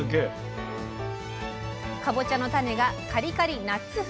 かぼちゃの種がカリカリナッツ風